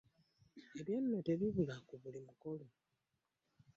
Ebyo nno tebibula ku buli mukolo.